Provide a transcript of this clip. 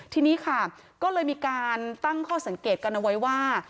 ทีนี้ค่ะก็เลยมีการตั้งข้อสังเกตกันเอาไว้ว่า